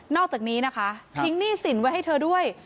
อกจากนี้นะคะทิ้งหนี้สินไว้ให้เธอด้วย